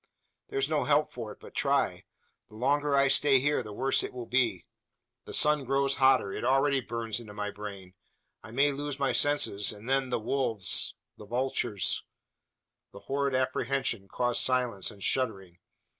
There's no help for it but try. The longer I stay here, the worse it will be. The sun grows hotter. It already burns into my brain. I may lose my senses, and then the wolves the vultures " The horrid apprehension caused silence and shuddering.